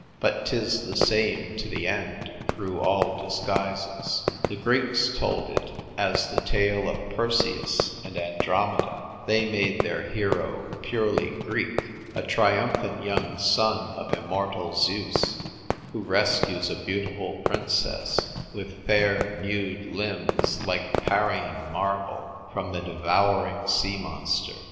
But 'tis the same to the end through all disguises. The Greeks told it as the tale of Perseus and Andromeda ; they made their hero purely Greek, a triumphant young son of immortal Zeus, who rescues a beautiful princess, with fair nude limbs like Parian marble, from the devouring sea monster.